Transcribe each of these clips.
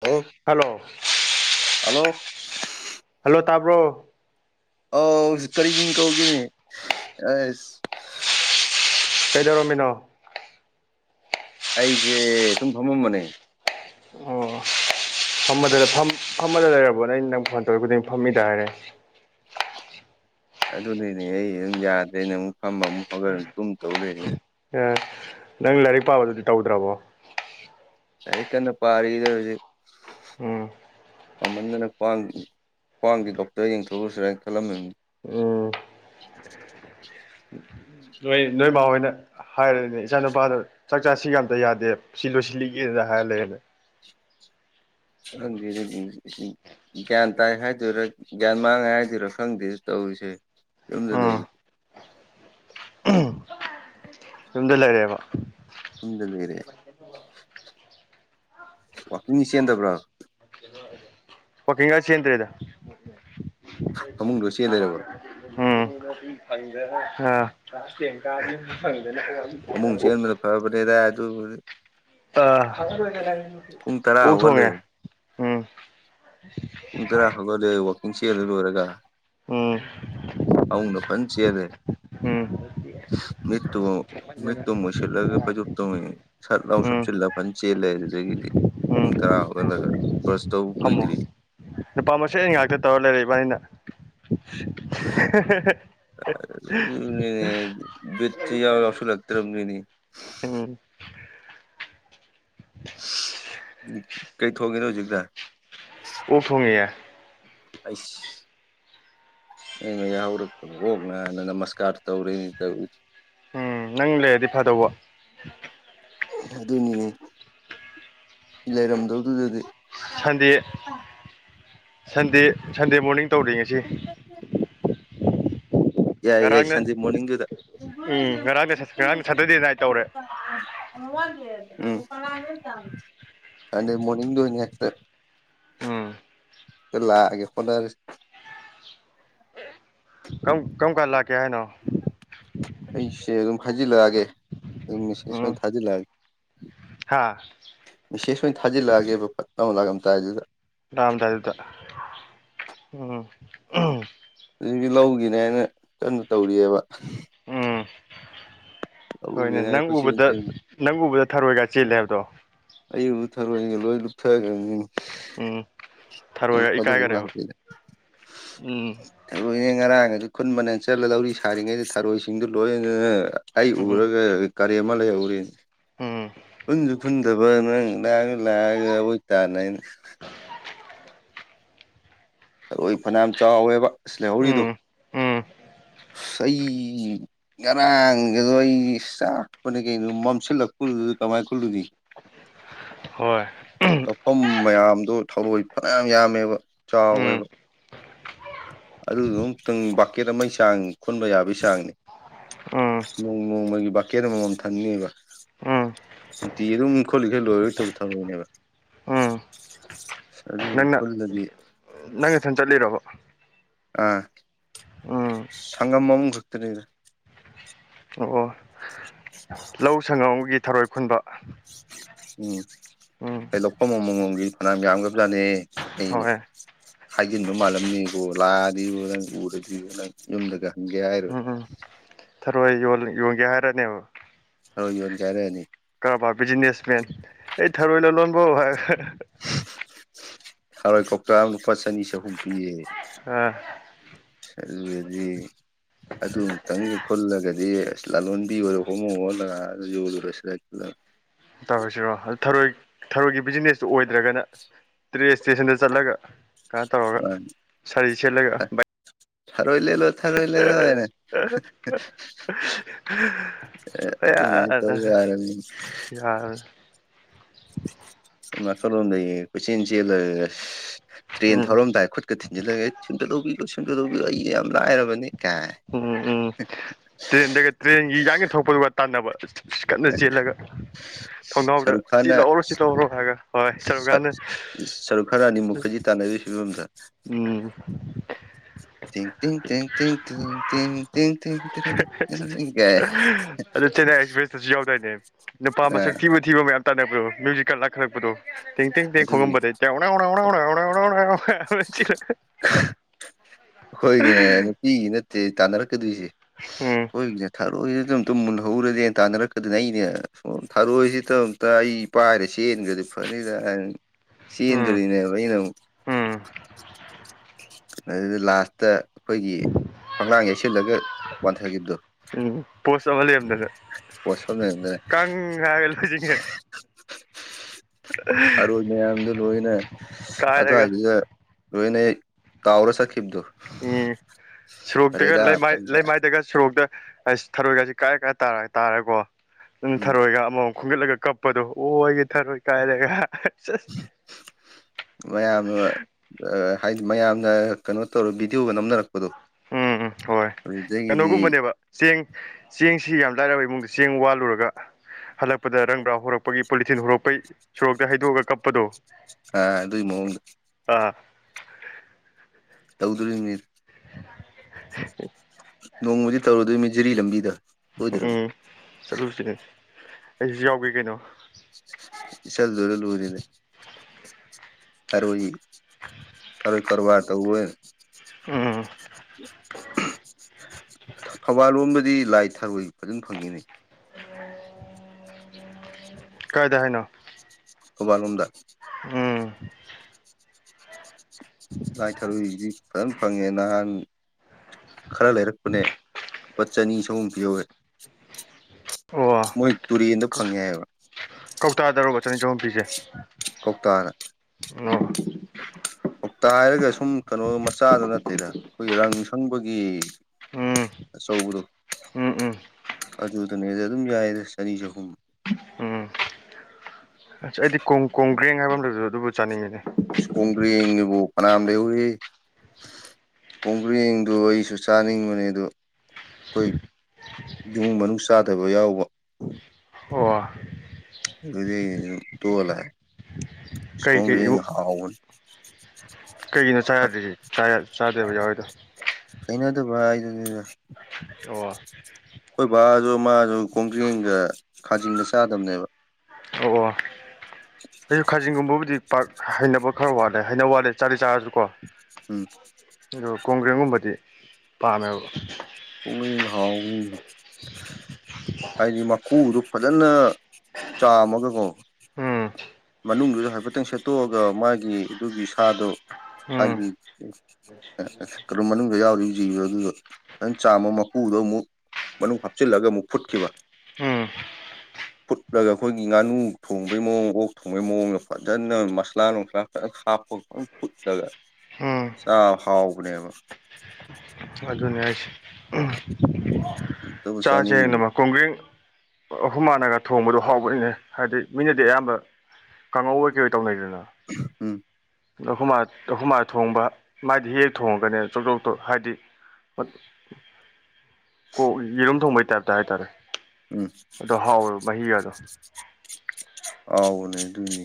ꯍꯂ hello hello ꯂꯣ ꯇꯥꯕ꯭ꯔꯣ ꯑ ꯀꯔꯤ ꯃꯤ ꯀꯧꯒꯤꯅꯦ ꯑ ꯀꯩꯗꯧꯔꯃꯤꯅꯣ ꯑꯩꯁꯦ ꯁꯨꯝ ꯐꯝꯃꯝꯕꯅꯦ ꯑꯣ ꯐꯗ ꯐꯝꯃꯗ ꯂꯩꯔꯕꯣ ꯅ ꯑꯩꯅ ꯅꯪ ꯐꯣꯟ ꯇꯧꯔ ꯈꯨꯗꯤꯡ ꯐꯝꯃꯤꯗ ꯍꯥꯏꯔꯦ ꯑꯗꯨꯅꯤꯅꯦ ꯑꯩ ꯑꯗꯨ ꯌꯥꯗ꯭ꯔꯦꯩꯅ ꯑꯃꯨꯛ ꯐꯝꯕ ꯑꯃꯨꯛ ꯍꯧꯒꯠꯂ ꯇꯨꯝ ꯇꯧ ꯂꯩꯔꯤꯅꯦ ꯑꯦ ꯅꯪ ꯂꯥꯏꯔꯤꯛ ꯄꯥꯕꯗꯨꯗꯤ ꯇꯧꯗ꯭ꯔꯕꯣ ꯁ ꯀꯅ ꯄꯔꯗꯗꯤ ꯎꯝ ꯃꯃꯟꯗꯅ ꯈ꯭ꯋꯥꯡꯒꯤ ꯗꯣꯛꯇꯔ ꯌꯦꯡꯊꯣꯛꯂꯨꯁꯤꯔ ꯍꯥꯏꯅ ꯈꯜꯂꯝꯃꯤꯕꯅꯤ ꯑꯗꯨ ꯅꯣꯏ ꯅꯣꯏ ꯏꯃ ꯍꯣꯏꯅ ꯍꯥꯏꯔꯅꯦ ꯏꯆꯥ ꯅꯨꯄꯥꯗꯣ ꯆꯥꯛ ꯆꯥ ꯁꯤ ꯀ ꯑꯇ ꯌꯥꯗꯦꯕ ꯁꯤ ꯂꯣꯏꯁꯤꯜꯂꯤꯒꯦ ꯂ ꯍꯥꯏ ꯂꯩ ꯍ ꯑꯗꯨ ꯒ꯭ꯌꯥꯟ ꯇꯥꯏ ꯍꯥꯏꯗꯔꯥ ꯒ꯭ꯌꯥꯟ ꯃꯥꯡꯉꯦ ꯍꯥꯏꯗꯣꯏꯔꯥ ꯈꯪꯗꯦꯁꯨ ꯇꯧꯔꯤꯁꯦ ꯏꯗꯗ ꯎꯝ [unintelligible] ꯌꯗ ꯂꯩꯔꯦꯕ ꯌꯨꯝꯗ ꯂꯩꯣꯏꯔꯦ ꯋꯥꯀꯤꯡ ꯆꯦꯟꯗꯕ꯭ꯔꯣ ꯑꯣ ꯏꯒꯥꯥꯁꯤꯇ꯭ꯔꯔꯤꯗ ꯐꯃꯨꯡꯗꯣ ꯆꯦꯟ ꯂꯩꯔꯕ ꯎꯝ ꯐꯪꯗ ꯀꯥ ꯑꯃꯨꯛ ꯆꯦꯟꯕꯅ ꯐꯕꯅꯦꯗ ꯑꯗꯨ ꯄꯨꯡ ꯇꯔꯥ ꯑ ꯎ ꯍꯧꯒꯠꯂꯦ ꯊꯣꯡꯉꯦ ꯎꯝ ꯄꯨꯡ ꯇꯔꯥ ꯍꯧꯒꯠꯗꯤ ꯋꯥꯛꯀꯤꯡ ꯆꯦꯦꯜ ꯑꯗꯨ ꯂꯣꯏꯔꯒ ꯎꯝ ꯑꯅ ꯐꯟ ꯆꯦꯔꯦ ꯦ ꯃꯨ ꯃꯨ ꯃꯣꯏꯁꯤꯂꯒꯦ ꯐ ꯆꯞꯇꯝ ꯁꯠ ꯂ ꯁꯨꯞ ꯎꯝ ꯆꯂ ꯐ ꯆꯦ ꯂꯩ ꯑꯗꯒꯤꯗꯤ ꯎꯝ ꯄꯨꯡ ꯇꯔꯥ ꯍꯧꯒꯜꯂꯒ ꯕ꯭ꯔꯁ ꯇꯧꯕ ꯊꯝꯃꯣ ꯀꯨꯏꯗ꯭ꯔꯤ ꯅꯨꯄꯥ ꯃꯁꯛ ꯑꯩꯅ ꯉꯥꯛꯇ ꯇꯧꯔ ꯂꯩꯔꯛꯏꯕꯅꯤꯩꯅ ꯑꯗꯨꯅꯤꯅꯦ ꯕꯤꯠꯁꯦ ꯏꯌꯥꯎ ꯌꯥꯎꯁꯤꯜꯂꯛꯇ꯭ꯔꯕꯅꯤꯅꯦ ꯎꯝ ꯑ ꯀꯩꯊꯒꯦꯅꯣ ꯍꯧꯖꯤꯛꯇ ꯎꯐꯉꯌꯥ ꯑꯁ ꯅ ꯃ ꯌꯥꯎꯔ ꯍꯅ ꯅꯃꯁꯀ ꯇꯧꯔꯤ ꯇꯧꯔꯤ ꯎꯝ ꯅꯪ ꯂꯩꯔꯗꯤ ꯐꯗꯧꯕ ꯑꯗꯨꯅꯤꯅꯦ ꯂꯩꯔꯝꯗꯧꯗꯨꯗꯗꯤ ꯁꯟꯗꯦ ꯁꯟꯗꯦ ꯁꯟꯗꯦ ꯃꯣꯔꯅꯤꯡ ꯇꯧꯔꯤ ꯉꯁꯤ ꯌꯥꯏ ꯌꯥꯏ ꯉꯔꯥꯡꯅ ꯁꯟꯗꯦ ꯃꯣꯔꯅꯤꯡꯗꯨꯗ ꯎꯝ ꯉꯔꯥꯡꯗ ꯉꯔꯥꯡ ꯁꯥꯇꯔꯗꯦ ꯥꯏ ꯇꯧꯔꯦ ꯎꯝ ꯁꯟꯦ ꯃꯣꯅꯤꯡꯅꯤ ꯎꯝ ꯂꯥꯛꯑꯒꯦ ꯐꯗꯔ ꯀ ꯀꯔꯝ ꯀꯥꯟ ꯂꯥꯛꯀꯦ ꯍꯥꯏꯅꯣ ꯁꯤ ꯑꯗꯨꯝ ꯈꯥꯖꯤꯜꯂꯛꯑꯒꯦ ꯑꯗꯨꯝ ꯎꯝ ꯁꯃꯥꯏꯅ ꯊꯥꯖꯤꯜꯂꯛꯑꯒꯦ ꯍꯥ ꯃꯤꯁꯦꯁ ꯑꯣꯏꯅ ꯊꯥꯖꯤꯜꯂꯛꯑꯒꯦꯕ ꯐ ꯇꯧ ꯂꯥꯛꯑꯝꯗꯥ ꯑꯗꯨꯗ ꯔꯝꯗꯥꯗ ꯎꯝ ꯑꯗꯒꯤ ꯂꯧꯒꯤꯅꯦ ꯍꯥꯏꯅ ꯀꯟꯣ ꯇꯧꯔꯤꯑꯕ ꯎꯝ ꯍꯣꯏꯅꯦ ꯂꯧꯒꯤꯅ ꯍꯥꯏꯅ ꯅꯪ ꯀꯣꯏꯆꯦꯟ ꯎꯕꯗ ꯆꯦꯟꯕ ꯅꯪ ꯎꯕꯗ ꯊꯔꯣꯏ ꯀꯥꯏꯁꯤ ꯆꯤ ꯂꯦꯕꯗꯣ ꯑꯌꯨꯕꯨ ꯊꯔꯣꯏꯅꯤꯒ ꯂꯣꯏ ꯂꯨꯞꯊꯒ ꯎꯝ ꯊꯔꯣꯏꯒ ꯄ ꯑꯣꯏ ꯏꯀꯥꯏꯒꯔꯦꯕ ꯍꯥꯄꯤꯗ ꯎꯝ ꯑꯉꯥꯡ ꯈꯨꯟ ꯃꯅ ꯆꯠꯂ ꯂꯧꯔꯤ ꯁꯥꯔꯤꯉꯩꯗ ꯊꯔꯣꯏꯁꯤꯡꯗꯨ ꯂꯣꯏꯅ ꯑꯩ ꯎꯝ ꯎꯔꯒ ꯀꯔꯤ ꯃ ꯂꯩꯎꯔꯤ ꯎꯝ ꯈꯨꯟꯁꯨ ꯈꯨꯨꯟꯗꯕ ꯅꯪ ꯂꯥꯛꯑꯒ ꯂꯥꯛꯑꯒꯣꯏ ꯇꯥꯅꯅ ꯑ ꯐꯅꯌꯥꯝ ꯆꯥꯎꯋꯦꯕ ꯂꯩꯍꯧꯔꯤꯗꯨ ꯎꯝ ꯎꯝ ꯁꯩ ꯉꯔꯥꯡꯒꯗꯣ ꯑꯩ ꯆꯥꯛꯄꯅꯦ ꯀꯩꯅꯣ ꯃꯝꯁꯤꯜꯂꯛꯄꯗꯨꯗꯤ ꯀꯃꯥꯏꯅ ꯈꯨꯜꯂꯨꯗꯤ ꯎꯝ ꯍꯣꯏ ꯐꯝ ꯃꯌꯥꯝꯗꯣ ꯊꯧꯔꯣꯏ ꯐꯅꯌꯥꯝ ꯌꯥꯝꯃꯦꯕ ꯎꯝ ꯆꯥꯎꯋꯦꯕ ꯑꯗꯨꯗꯨ ꯑꯃꯨꯛꯇꯪ ꯕꯥꯀꯦꯠ ꯑꯃꯒꯤ ꯆꯥꯡ ꯈꯣꯟꯟꯕ ꯌꯥꯕꯒꯤ ꯆꯥꯡꯅꯤ ꯎꯝ ꯅꯣꯡ ꯅꯣꯡꯃꯒꯤ ꯕꯥꯀꯦꯠ ꯑꯃꯃꯝ ꯊꯝꯅꯤꯕ ꯎꯝ ꯅꯨꯡꯇꯤ ꯑꯗꯨꯝ ꯈꯣꯠꯂꯤꯈ ꯂꯣꯏꯔꯣꯏ ꯇꯧ ꯊꯝꯔꯣꯏꯅꯦꯕ ꯎꯝ ꯑꯗꯨ ꯐꯒꯗꯤ ꯅꯪꯒꯤꯊꯟ ꯆꯠꯂꯤꯣꯔꯕ ꯑꯥ ꯁꯪꯒꯝ ꯃꯃꯝ ꯛꯇꯇ ꯂꯩꯗꯦ ꯑꯣ ꯂꯧ ꯁꯪꯉꯝꯒꯤ ꯊꯔꯣꯏ ꯈꯨꯟꯕ ꯎꯝ ꯎꯝ ꯑꯩ ꯂꯧꯐꯝ ꯑꯃ ꯃꯃꯣꯝꯒꯤ ꯐꯅꯌꯥꯝ ꯌꯥꯝꯒꯕꯖꯥꯠꯅꯤ ꯑꯩ ꯍꯣꯏ ꯍꯥꯏꯖꯤꯟꯕ ꯃꯥꯜꯂꯝꯅꯤꯀꯣ ꯂꯥꯛꯑꯗꯤꯨ ꯅꯪ ꯎꯔꯗꯤꯨ ꯅꯪ ꯌꯨꯝꯗꯒ ꯍꯪꯒꯦ ꯍꯥꯏꯔꯣꯏ ꯎꯝ ꯎꯝ ꯊꯔꯣꯏ ꯌ ꯌꯣꯟꯒꯦ ꯍꯥꯏꯔꯅꯦꯕ ꯊꯔ ꯌꯣꯟ ꯀꯥꯏꯔꯛꯅꯤ ꯀꯔꯕꯥ ꯕꯤꯖꯤꯅꯦꯁꯃꯦꯟ ꯑꯩ ꯊꯔꯣꯏ ꯂꯂꯣꯟꯕ ꯍꯥꯏ ꯍꯔꯣꯏ ꯀꯇ ꯂꯨꯄꯥ ꯆꯅꯤ ꯆꯍꯨꯝ ꯄꯤꯌꯦ ꯑ ꯁꯗꯤ ꯑꯗꯨ ꯑꯃꯨꯛꯇꯪꯒ ꯈꯜꯂꯒꯗꯤ ꯑꯁ ꯂꯥꯂꯣꯟꯕꯤ ꯑꯣꯏꯔ ꯍꯣꯡꯃꯨ ꯍꯣꯜꯂꯒ ꯌꯣꯜꯨꯔꯁꯤ ꯇꯧꯔꯁꯤꯔꯣ ꯊꯔꯣꯏ ꯊꯔꯣꯏꯒꯤ ꯕꯤꯖꯤꯅꯦꯁꯇꯨ ꯑꯣꯏꯗ꯭ꯔꯒꯅ ꯇ꯭ꯔꯦ ꯏꯁꯇꯦꯁꯟꯗ ꯆꯠꯂꯒ ꯀꯩꯅꯣ ꯇꯧꯔꯒ ꯁꯥꯔꯤ ꯁꯦꯠꯂꯒ ꯕꯥꯏ ꯊꯔꯣꯏ ꯂ ꯂꯣ ꯊꯔꯣꯏ ꯂ ꯂꯣꯅꯦ ꯑꯦ ꯑꯗꯨꯃꯥꯏꯅ ꯇꯧ ꯌꯥꯔꯦ ꯌꯥꯔꯅꯤ ꯌꯥꯔꯦ ꯑꯔꯨꯅꯥꯁꯜ ꯂꯣꯝꯗꯒꯤ ꯀꯣꯏꯆꯦꯟ ꯆꯦꯜꯂꯒ ꯇ꯭ꯔꯦꯟ ꯎꯝ ꯊꯧꯔꯝꯗꯥꯏ ꯈꯨꯠꯀ ꯜꯂꯒꯦ ꯁꯟꯗ ꯂꯧꯕꯤꯌꯣ ꯁꯨꯝꯗ ꯂꯧꯕꯤꯌꯣ ꯑꯩ ꯌꯥꯝ ꯂꯥꯏꯔꯕꯅꯤ ꯀꯥꯏ ꯎꯝ ꯎꯝ ꯎꯝ ꯇ꯭ꯔꯦꯟꯗꯒ ꯇ꯭ꯔꯦꯟꯒꯤ ꯌꯥꯡꯒꯤ ꯊꯣꯛꯄꯗꯨꯒ ꯇꯥꯟꯅꯕ ꯀꯟꯅ ꯆꯦꯜꯂꯒ ꯊꯣꯡꯅꯥꯎꯗ ꯁꯔꯨꯛ ꯆꯤ ꯈꯥꯟꯅ ꯂꯧꯎꯔꯣ ꯆꯤꯠ ꯂꯧꯎꯔꯣ ꯍꯥꯏꯔꯒ ꯍꯣꯏ ꯁꯔꯨꯀꯥꯟꯗ ꯁꯔꯨꯛ ꯈꯔꯥꯅꯤ ꯃꯨꯛꯈꯖꯤ ꯇꯥꯟꯅꯔꯤꯕ ꯐꯤꯕꯝꯗ ꯎꯝ [inaudible] ꯊ ꯊ ꯊ ꯊ ꯊ ꯊ ꯊ ꯊꯔꯅꯤꯔ ꯑꯗꯨ ꯆꯦꯟꯅꯥꯏ ꯑꯦꯛꯁꯄ꯭ꯔꯦꯁꯇꯁꯨ ꯌꯥꯎꯗꯏꯅꯦ ꯅꯨꯄꯥ ꯃꯁꯛ ꯊꯤꯕ ꯊꯤꯕ ꯃꯌꯥꯝ ꯂꯥꯛꯈꯂꯛ ꯊ ꯑꯗꯨꯒꯤ ꯊꯦꯡꯣꯡꯗ ꯅ ꯑꯩꯣꯏꯒꯤꯅꯦ ꯅꯨꯄꯤꯒꯤ ꯅꯠꯇꯦ ꯇꯥꯟꯅꯔꯛꯀꯗꯣꯏꯁꯦ ꯎꯝ ꯑꯩꯣꯏꯒꯤꯅꯦ ꯊꯥꯔꯣꯏꯁꯤꯗ ꯑꯝꯇ ꯃꯨꯜꯍꯧꯔꯗꯤꯦꯅ ꯇꯥꯟꯅꯔꯛꯀꯗꯅꯦ ꯑꯩꯅꯦ ꯁ ꯊꯥꯔꯣꯏꯁꯤꯗꯝꯇ ꯑꯩ ꯄꯥꯏꯔꯁꯤꯦ ꯆꯦꯟꯈ꯭ꯔꯗꯤꯦ ꯐꯅꯤꯗ ꯎꯝ ꯆꯦꯟꯗꯣꯔꯤꯅꯦꯕ ꯑꯩꯅ ꯑꯃꯨꯛ ꯎꯝ ꯑꯗꯨꯗ ꯂꯥꯁꯇ ꯑꯩꯈꯣꯏꯒꯤ ꯐꯪꯂꯥꯡ ꯌꯩꯁꯤꯜꯂꯒ ꯋꯥꯟꯊꯈꯤꯕꯗꯣ ꯎꯝ ꯄꯣꯁꯕ ꯂꯩ ꯌꯥꯝꯝꯗꯒ ꯄꯁꯗꯗ ꯂꯣꯏꯁꯤꯟꯒ꯭ꯔꯦ ꯑꯔꯣꯏ ꯃꯌꯥꯝꯗꯨ ꯂꯣꯏꯅ ꯀꯥꯏꯔꯒ ꯑꯗꯨꯋꯥꯏꯗꯨꯗ ꯂꯅꯦ ꯇꯥꯥꯎꯔꯁ ꯎꯝ ꯁꯣꯔꯣꯛꯇꯒ ꯐꯔꯦꯗ ꯂꯩꯃꯥꯏ ꯐꯔꯦꯗ ꯂꯩꯃꯥꯏꯗꯒ ꯁꯣꯔꯣꯛꯇ ꯊꯔꯣꯏꯒꯁꯤ ꯀꯥꯏ ꯀꯥꯏ ꯇꯥꯔ ꯇꯥꯔꯦꯀꯣ ꯑꯗꯨ ꯎꯝ ꯊꯔꯣꯏꯒ ꯑꯃꯨꯛ ꯈꯣꯡꯒꯠꯂꯒ ꯀꯞꯄꯗꯣ ꯑꯣ ꯑꯩꯒꯤ ꯊꯔꯣꯏ ꯀꯥꯏꯔꯦꯒ ꯃꯌꯥꯝꯅ ꯑ ꯍꯥꯏꯗꯤ ꯃꯌꯥꯝꯅ ꯀꯩꯅꯣ ꯇꯧꯔ ꯕꯤꯗꯤꯑꯣꯒ ꯅꯝꯅꯔꯛꯄꯗꯣ ꯎꯝ ꯎꯝ ꯍꯣꯏ ꯑꯗꯨꯗꯒꯤꯗꯤ ꯀꯩꯅꯣꯒꯨꯝꯕꯅꯦꯕ ꯆꯦꯡ ꯆꯦꯡꯁꯤ ꯌꯥꯝ ꯂꯥꯏꯔꯕ ꯏꯃꯨꯡꯗ ꯆꯦꯡ ꯋꯥꯠꯂꯨꯔꯒ ꯍꯜꯂꯛꯄꯗ ꯔꯪꯕ꯭ꯔꯥ ꯍꯔꯛꯄꯒꯤ ꯄꯣꯂꯤꯊꯤꯟ ꯍꯣꯔꯛꯄꯩ ꯁꯣꯔꯣꯛꯇ ꯍꯩꯗꯣꯛꯑꯒ ꯀꯞꯄꯗꯣ ꯑ ꯑꯗꯨꯏ ꯃꯑꯣꯡꯗ ꯑ ꯇꯧꯗꯨꯔ ꯅꯤꯔ ꯅꯣꯡꯃꯗꯤ ꯇꯧꯔꯨꯗꯣꯏꯃꯤ ꯖꯤꯔꯤ ꯂꯝꯕꯤꯗ ꯁꯣꯏꯗ꯭ꯔꯕ ꯎꯝ ꯆꯠꯂꯨꯁꯤꯅꯦ ꯑꯩꯁꯨ ꯌꯥꯎꯒꯦ ꯀꯩꯅꯣ ꯏꯁꯁꯜ ꯔꯦꯜ ꯎꯔꯤꯗ ꯍꯔꯣꯏ ꯇꯔꯣꯏ ꯀꯣꯕꯥꯔ ꯇꯧꯧꯕ ꯎꯝ ꯊꯕꯥ ꯂ ꯗꯤ ꯂꯥꯏ ꯊꯔꯣꯏ ꯐꯖꯅ ꯐꯪꯉꯤꯅꯦ ꯀꯥꯏꯗ ꯍꯥꯏꯅꯣ ꯊꯧꯕꯜ ꯂꯣꯝꯗ ꯎꯝ ꯂꯥꯏ ꯊꯔꯨꯁꯤ ꯐꯖꯅ ꯐꯪꯉꯦ ꯅꯍꯥꯟ ꯈꯔ ꯂꯩꯔꯛꯄꯅꯦ ꯂꯨꯄꯥ ꯆꯅꯤ ꯁꯍꯨꯝ ꯄꯤ ꯌꯧꯋꯦ ꯑꯣ ꯃꯣꯏ ꯇꯨꯔꯤꯦꯟꯗ ꯐꯪꯉꯦꯏꯑꯕ ꯀꯧꯇꯥꯗꯔꯣꯒ ꯆꯅꯤ ꯆꯍꯨꯝꯄꯤꯤꯁꯦ ꯀꯣꯛꯣꯛꯇꯥꯅ ꯀꯧꯇꯥ ꯍꯥꯏꯔꯒ ꯁꯨꯝ ꯀꯩꯅꯣ ꯃꯆꯥꯗ ꯅꯠꯇꯦꯗ ꯑꯩꯈꯣꯏꯒꯤ ꯔꯪ ꯁꯪꯕꯒꯤ ꯎꯝ ꯆꯧꯒꯨꯔꯨ ꯎꯝ ꯎꯝ ꯑꯗꯨꯗꯅꯦꯗꯤ ꯑꯗꯨꯝ ꯌꯥꯏꯌꯦ ꯆꯅꯤ ꯆꯍꯨꯝ ꯎꯝ ꯕ꯭ꯔꯦꯡ ꯍꯥꯏꯕ ꯑꯃꯗꯨꯗꯁꯨ ꯑꯗꯨꯕꯨ ꯆꯥꯅꯤꯡꯉꯤꯅꯦ ꯀꯣꯒꯔꯤ ꯌꯦꯦꯕꯨ ꯃꯅꯥꯝ ꯂꯩ ꯎꯏ ꯀꯣꯡꯒ꯭ꯔꯦꯡꯗꯣ ꯑꯩꯁꯨ ꯆꯥꯅꯤꯡꯕꯅꯦ ꯑꯗꯣ ꯑꯩꯈꯣꯏ ꯏꯃꯨꯡ ꯃꯅꯨꯡ ꯆꯥꯗꯕ ꯌꯥꯎꯕ ꯑꯣ ꯑꯗꯨꯗꯤ ꯇꯣꯂ ꯁꯀꯣ ꯀꯩ ꯀꯩ ꯍ [unintelligible] [inaudible] ꯀꯩꯒꯤꯅꯣ ꯆꯥ ꯌꯥꯗ꯭ꯔꯤꯁꯤ ꯆꯥꯗꯕ ꯌꯥꯎꯋꯣꯏꯗꯣ ꯑꯗꯨ ꯚꯗ ꯑꯣ ꯑꯩꯈꯣꯏ ꯚꯕꯥꯁꯨ ꯃꯥꯁꯨ ꯀꯣꯡꯖꯤꯡꯒ ꯈꯥꯖꯤꯡꯒ ꯆꯥꯗꯝꯕꯅꯦꯕ ꯑꯣ ꯑꯣ ꯑꯩꯁꯨ ꯈꯥꯖꯤꯡꯒꯨꯝꯕꯕꯨꯗꯤ ꯄꯥꯛ ꯍꯩꯅꯕ ꯈꯔ ꯋꯥꯠꯂꯦ ꯍꯩꯅ ꯋꯥꯠꯂꯦ ꯆꯥꯗꯤ ꯆꯥꯔꯁꯨ ꯀꯣ ꯎꯝ ꯑꯣ ꯀꯣꯡꯒ꯭ꯔꯦꯡꯒꯨꯝꯕꯗꯤ ꯄꯥꯝꯃꯦꯕ ꯎ ꯍꯥꯎ ꯎꯅꯤ ꯍꯥꯏꯗꯤ ꯃꯀꯨꯗꯨ ꯐꯖꯅ ꯆꯥꯝꯃꯒꯀꯣ ꯎꯝ ꯃꯅꯨꯡꯗꯨꯗ ꯍꯥꯏꯐꯦꯠꯇꯪ ꯁꯦꯠꯇꯣꯛꯑꯒ ꯃꯥꯒꯤ ꯑꯗꯨꯒꯤ ꯁꯥꯗꯣ ꯎꯝ ꯍꯥꯏꯗꯤ ꯀꯝ ꯃꯅꯨꯡꯗ ꯌꯥꯎꯔꯤꯕ ꯖꯤꯕꯗꯣ ꯑꯗꯨꯗꯣ ꯑꯗꯨꯪ ꯆꯥꯝꯃ ꯃꯄꯨꯗꯣ ꯑꯃꯨꯛ ꯃꯅꯨꯡ ꯍꯥꯞꯆꯤꯜꯂꯒ ꯑꯃꯨꯛ ꯐꯨꯠꯈꯤꯕ ꯎꯝ ꯐꯨꯠꯂꯒ ꯑꯩꯈꯣꯏꯒꯤ ꯉꯥꯅꯨ ꯊꯣꯡꯕꯩ ꯃꯑꯣꯡ ꯑꯣ ꯊꯨꯝꯕꯩ ꯃꯑꯣꯡꯗ ꯐꯖꯅ ꯃꯁꯂꯥ ꯅꯨꯡꯁꯂꯥ ꯐꯖꯅ ꯍꯥꯞꯄꯒ ꯐꯖꯅ ꯐꯨꯠꯂꯒ ꯎꯝ ꯁꯥꯐ ꯍꯥꯎꯥꯎꯒꯅꯦꯕ ꯑꯗꯨꯅꯤ ꯍꯥꯏꯁꯦ ꯑꯝꯇꯕꯨ ꯆꯥ ꯆꯥꯅꯤꯡꯉꯤꯅꯦ ꯆꯦꯃ ꯀꯨꯡꯒ꯭ ꯑꯍꯨꯝ ꯃꯥꯟꯅꯒ ꯊꯣꯡꯕꯗꯣ ꯍꯥꯎꯕꯅꯤꯅꯦ ꯍꯥꯏꯕꯗꯤ ꯃꯤꯅꯗꯤ ꯑꯌꯥꯝꯕ ꯀꯥꯡꯉꯧ ꯑꯣꯏ ꯀꯩ ꯑꯣꯏ ꯇꯧꯅꯩꯗꯅ ꯎꯝ ꯈꯨꯃꯥ ꯊꯣꯡꯕ ꯃꯥꯗꯤ ꯍꯦꯛ ꯊꯣꯡꯉꯒꯅꯤ ꯆꯧꯆꯧꯇꯣ ꯍꯥꯏꯗꯤ ꯀ ꯌꯦꯔꯨꯝ ꯊꯣꯡꯕꯩ ꯇꯥꯏꯞꯇ ꯍꯥꯏꯇꯥꯔꯦ ꯎꯝ ꯑꯗꯣ ꯍꯥꯎꯋ ꯃꯍꯒꯗꯣ ꯑꯥꯎꯕꯅꯦ ꯑꯗꯨꯏꯅꯦ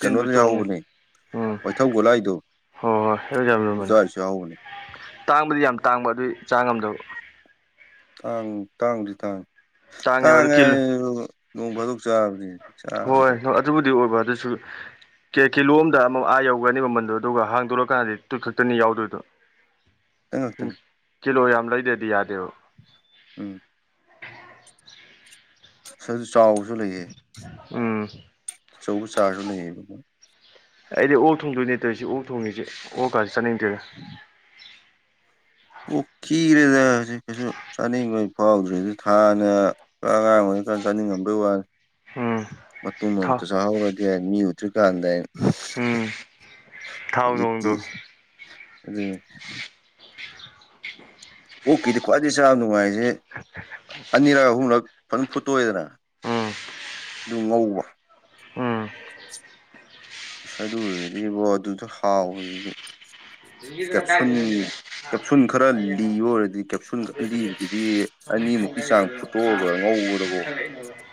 ꯀꯩꯅꯣꯗ ꯆꯣꯡꯉꯦ ꯌꯥꯎꯕꯅꯦ ꯎꯝ ꯋꯥꯏꯊꯧ ꯍꯣꯏ ꯍꯣꯏ ꯑꯗꯨ ꯌꯥꯝ ꯂꯨꯝꯕꯅꯦ ꯒꯨꯂꯥꯏꯗꯨꯖꯁꯨ ꯌꯥꯧꯕꯅꯤ ꯇꯥꯡꯕꯗꯤ ꯌꯥꯝ ꯇꯥꯡꯕ ꯑꯗꯨꯏ ꯆꯥ ꯉꯝꯗꯕ ꯇꯥꯡ ꯇꯥꯡꯗꯤ ꯇꯥꯡ ꯇꯥꯡꯉꯦꯕ ꯑꯗꯨ ꯇꯥꯡꯉꯦ ꯀꯤꯂꯣ ꯑꯩ ꯅꯣꯡ ꯐꯥꯗꯣꯛ ꯆꯥꯕꯅꯦ ꯍꯣꯏ ꯑꯗꯨꯕꯨꯗꯤ ꯑꯣꯏꯕ ꯑꯗꯨꯁꯨ ꯀꯦ ꯀꯤꯂꯣ ꯑꯝꯗ ꯑꯃꯛ ꯑꯥ ꯌꯧꯒꯅꯤ ꯃꯃꯟꯗꯣ ꯑꯗꯨꯒ ꯍꯥꯡꯗꯣꯛꯂꯀꯥꯟꯗꯗꯤ ꯇꯨꯠ ꯈꯛꯇꯅꯤ ꯌꯥꯎꯗꯣꯏꯗꯣ ꯊꯉ ꯎꯝ ꯊꯅ ꯀꯤꯂꯣ ꯌꯥꯝ ꯂꯩꯗꯦꯗꯤ ꯌꯥꯗꯦꯕ ꯎꯝ [inaudible] ꯆꯥꯎꯕꯁꯨ ꯂꯩꯌꯦ ꯎꯝ ꯑꯆꯧꯕ ꯆꯥꯔꯁꯨ ꯂꯩꯑꯕ ꯑꯩꯗꯤ ꯑꯣꯛ ꯊꯣꯡꯗꯣꯏ ꯅꯠꯇꯣꯏ ꯁꯤ ꯑꯣꯛ ꯊꯣꯡꯉꯁꯤꯦ ꯑꯣꯛ ꯀꯥꯁꯦ ꯆꯠꯅꯤꯡꯗꯣꯏꯅ ꯑꯣ ꯀ ꯏꯔꯦꯗꯦ ꯀꯁꯨ ꯆꯥꯅꯤꯣꯏ ꯐꯥꯎꯗ꯭ꯔꯗꯤ ꯊꯥꯅ ꯑꯉꯥꯡ ꯑꯣꯏꯔꯤꯀꯥꯟ ꯆꯥꯅꯤꯡꯉꯝꯕꯩ ꯋꯥꯅꯤ ꯎꯝ ꯃꯇꯨꯝ ꯊꯥꯎ ꯑꯃꯝꯇꯁꯨꯍꯥꯎꯔꯗꯤ ꯃꯤ ꯎꯗ꯭ꯔꯤꯀꯥꯟꯗ ꯑꯩꯅ ꯎꯝ ꯊꯥꯎ ꯣꯡꯗ ꯑ ꯑꯣꯀꯤꯗꯤ ꯈ꯭ꯋꯥꯏꯗꯩ ꯁꯥ ꯅꯨꯡꯉꯥꯏꯖꯦ ꯑꯅꯤꯔꯛ ꯑꯍꯨꯝꯔꯛ ꯐꯖꯅ ꯐꯨꯠꯇꯣꯛꯑꯦꯗꯅ ꯎꯝ ꯑꯗꯨ ꯉꯧꯕ ꯎꯝ ꯑꯁ ꯑꯗꯨ ꯑꯣꯏꯔꯗꯤꯕꯣ ꯑꯗꯨꯁꯨ ꯍꯥꯎꯖꯤꯗꯤ ꯀꯦꯞꯁꯨꯟ ꯀꯦꯞꯁꯨꯟ ꯈꯔ ꯂꯤꯕ ꯑꯣꯏꯔꯗꯤ ꯀꯦꯞꯁꯨꯟ ꯈ ꯂꯤꯕꯗꯨꯗꯤ ꯑꯅꯤꯃꯨꯛꯀꯤ ꯆꯥꯡ ꯐꯨꯠꯇꯣꯛꯑꯒ ꯉꯧꯕꯗꯕꯣ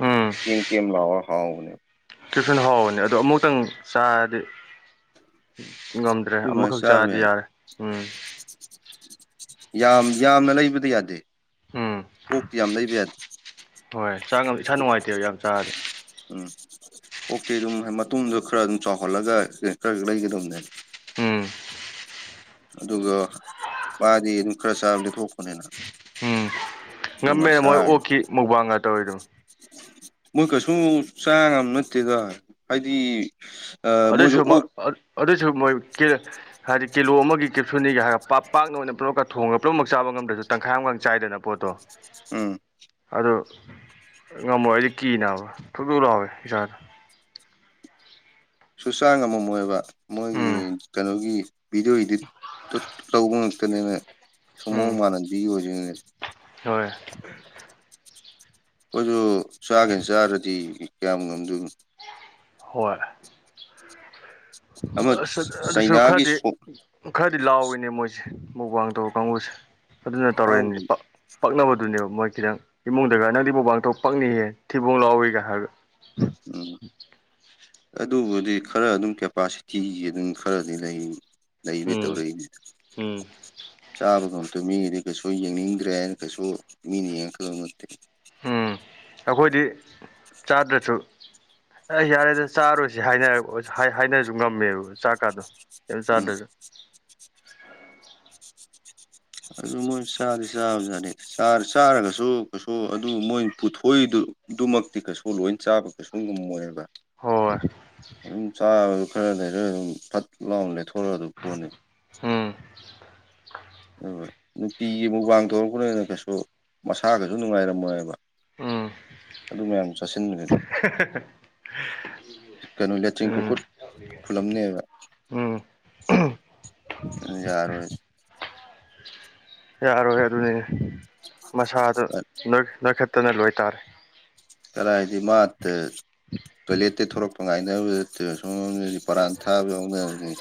ꯎꯝ ꯀꯦꯝ ꯀꯦꯝ ꯂꯥꯎꯔ ꯍꯥꯎꯕꯅꯦꯕ ꯀꯦꯞꯁꯟ ꯍꯥꯎꯕꯅꯤ ꯑꯗꯣ ꯑꯃꯨꯛꯇꯪ ꯆꯥꯔꯗꯤ ꯉꯝꯗ꯭ꯔꯦ ꯑꯗꯨꯃꯥꯏꯅ ꯑꯃꯈꯛ ꯆꯥꯕ ꯆꯥꯔꯗꯤ ꯌꯥꯏ ꯌꯥꯔꯦ ꯎꯝ ꯌꯥꯝ ꯌꯥꯝꯅ ꯂꯩꯕꯗꯤ ꯌꯥꯗꯦ ꯎꯝ ꯛꯇꯤ ꯌꯥꯝ ꯂꯩꯕ ꯌꯥꯗꯦ ꯍꯣꯏ ꯆꯥ ꯏꯁꯥ ꯅꯨꯡꯉꯥꯏꯇꯦꯕ ꯌꯥꯝ ꯆꯥꯔꯗꯤꯦ ꯑꯣꯛꯇꯦ ꯑꯗꯨꯝ ꯃꯇꯨꯡꯗꯣ ꯈꯔ ꯑꯗꯨꯝ ꯆꯥꯎꯈꯠꯂꯒ ꯈꯔ ꯂꯩꯒꯗꯕꯅꯦ ꯎꯝ ꯑꯗꯨꯒ ꯃꯥꯗꯤ ꯑꯗꯨꯝ ꯈꯔ ꯆꯥꯕꯗꯤꯊꯣꯛꯄꯅꯤꯅ ꯉꯝꯃꯦꯅ ꯃꯣꯏ ꯑꯣꯛꯈꯤ ꯃꯧꯕꯥꯡꯒ ꯇꯧꯔꯤ ꯑꯗꯨꯝ ꯃꯣꯏ ꯀꯩꯁꯨ ꯆꯥ ꯅꯠꯇꯦꯗ ꯍꯥꯏꯗꯤ ꯑꯗꯁꯨ ꯃꯣꯏꯁꯨ ꯑꯣꯛ ꯑꯗꯨꯁꯨ ꯃꯣꯏ ꯍꯥꯏꯗꯤ ꯀꯤꯂꯣ ꯑꯃꯒꯤ ꯀꯦꯞꯁꯨꯣꯅꯤꯒ ꯍꯥꯏꯔꯒ ꯄꯥꯛ ꯄꯥꯛꯅ ꯑꯣꯏꯅ ꯄꯨꯝꯅꯃꯛꯀ ꯊꯣꯡꯉꯒ ꯄꯨꯝꯅꯃꯛ ꯆꯥꯕ ꯉ ꯝꯗꯁꯨ ꯇꯪꯈꯥꯏ ꯑꯃꯈꯪ ꯆꯥꯏꯗꯅ ꯄꯣꯠꯇꯣ ꯎꯝ ꯑꯗꯨ ꯉꯝꯃꯣꯏ ꯑꯩꯗꯤ ꯀꯤꯅꯦꯅꯕ ꯊꯛꯇꯣꯛ ꯂꯥꯎꯋꯦ ꯏꯁꯥꯗ ꯁꯨ ꯆꯥ ꯉꯝꯃꯝꯃꯣꯏꯕ ꯃꯣꯏꯒꯤ ꯎꯝ ꯀꯩꯅꯣꯒꯤ ꯚꯤꯗꯤꯑꯣ ꯏꯗꯤꯠ ꯇ ꯇꯧꯕ ꯉꯥꯛꯇꯅꯦꯃꯤ ꯁꯨꯝ ꯃꯑꯣꯡ ꯎꯝ ꯃꯥꯟꯍꯟꯕꯤ ꯑꯣꯏꯗꯨꯏꯅꯦꯃꯤ [inaudible] ꯈꯣꯏꯁꯨ ꯆꯥꯒꯦꯅ ꯆꯥꯔꯗꯤ ꯀꯌꯥꯝ ꯉꯝꯗꯣꯏꯅꯣ ꯍꯣꯏ ꯑꯃ ꯑꯁ ꯑꯗꯨꯁꯨ ꯆꯩꯅꯥꯒꯤ ꯈꯔꯗꯤ ꯁꯣꯛ ꯈꯔꯗꯤ ꯂꯥꯎꯏꯅꯦ ꯃꯣꯏꯁꯦ ꯃꯨꯛꯕꯥꯡ ꯇꯧꯕ ꯀꯥꯡꯕꯨꯁꯦ ꯑꯗꯨꯅ ꯂꯥꯎꯗꯨ ꯇꯧꯇꯤꯝꯅꯤ ꯄꯛ ꯄꯛꯅꯕꯗꯨꯅꯦꯕ ꯃꯣꯏ ꯈꯤꯇꯪ ꯏꯃꯨꯡꯗꯒ ꯅꯪꯗꯤ ꯃꯨꯛꯕꯥꯡ ꯇꯧꯕ ꯄꯛꯅꯤꯍꯦ ꯊꯤꯕꯣꯡ ꯂꯥꯎꯏꯒ ꯍꯥꯏꯔꯒ ꯎꯝ ꯑꯗꯨꯕꯨꯗꯤ ꯈꯔ ꯑꯗꯨꯝ ꯀꯦꯄꯥꯁꯤꯇꯤꯒꯤ ꯑꯗꯨꯝ ꯈꯔꯗꯤ ꯂꯩ ꯂꯩꯕꯩ ꯎꯝ ꯇꯧꯔꯛꯏꯅꯦ ꯎꯝ ꯆꯥꯕꯒꯨꯝ ꯑꯣ ꯃꯤꯒꯤꯗꯤ ꯀꯩꯁꯨ ꯌꯦꯡꯅꯤꯡꯗ꯭ꯔꯦ ꯍꯥꯏꯅ ꯀꯩꯁꯨ ꯃꯤꯅ ꯌꯦꯡꯉꯛꯀꯗꯕ ꯅꯠꯇꯦ ꯑꯈꯣꯏꯗꯤ ꯆꯥꯗ꯭ꯔꯁꯨ ꯑ ꯌꯥꯔꯦꯗ ꯆꯥꯔꯇꯧꯁꯤ ꯍꯥꯏ ꯍꯥꯏꯅꯔꯁꯨ ꯉꯝꯃꯦꯕ ꯆꯥꯛꯀꯥꯗꯣ ꯎꯝ ꯆꯥꯗꯖꯨ ꯑꯗꯨ ꯃꯣꯏ ꯆꯥꯗꯤ ꯆꯥꯕꯖꯥꯠꯅꯤ ꯆꯥꯔꯒꯁꯨ ꯀꯩꯁꯨ ꯑꯗꯨ ꯃꯣꯏ ꯄꯨꯊꯣꯛꯏꯗꯨ ꯑꯗꯨꯃꯛꯇꯤ ꯀꯩꯁꯨ ꯂꯣꯏ ꯆꯥꯕ ꯀꯩꯁꯨ ꯉꯝꯃꯣꯏꯕ ꯍꯣꯏ ꯑꯗꯨꯝ ꯆꯥꯕꯗꯣ ꯈꯔ ꯂꯩꯔ ꯑꯗꯨꯝ ꯐꯠ ꯂꯥꯎꯅ ꯂꯦꯀꯊꯣꯔꯛꯑꯗꯧ ꯄꯣꯠꯅꯤ ꯎꯝ ꯍ ꯍꯣꯏ ꯅꯨꯡꯇꯤꯒꯤ ꯑꯃꯨꯛ ꯃꯨꯛꯕꯥꯡ ꯇꯧꯔꯛꯄꯅꯤꯅ ꯀꯩꯁꯨ ꯃꯁꯥ ꯀꯩꯁꯨ ꯅꯨꯡꯉꯥꯏꯔꯝꯃꯣꯏꯕ ꯎꯝ ꯑꯗꯨ ꯃꯌꯥꯝꯗꯣ ꯆꯥꯁꯤꯟꯕꯅꯤꯅ [unintelligible] ꯀꯩꯅꯣ ꯎꯝ [unintelligible] ꯐꯨꯜꯂꯝꯅꯤꯕ ꯎꯝ ꯌꯥꯔꯣꯏ ꯌꯥꯔꯣꯏ ꯑꯗꯨꯅꯤ ꯃꯁꯥꯗ ꯅꯣꯏꯈꯠꯇꯅ ꯂꯣꯏ ꯇꯥꯔꯦ ꯍꯥꯏꯗꯤ ꯃꯥ ꯇꯣꯏꯂꯦꯠꯇꯩ ꯊꯣꯔꯛꯄ ꯉꯥꯏꯅꯕꯗ ꯁꯣꯝꯗꯗꯤ ꯄꯔꯥꯟ ꯊꯥꯕ ꯌꯥꯎꯅꯔꯅꯤ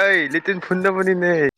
ꯑꯩ [unintelligible] ꯐꯨꯟꯅꯕꯅꯤꯅꯦ